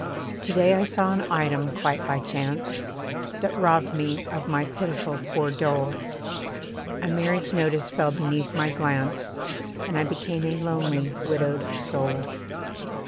To day I saw an item, quite by chance, That robbed me of my pitiful poor dole: A marriage notice fell beneath my glance, And I became a lonely widowed soul.